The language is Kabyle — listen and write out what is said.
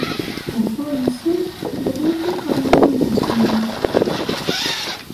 Lehdur-nsen wwḍen tiqerniyin n ddunit.